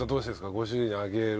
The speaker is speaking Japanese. ご主人にあげる。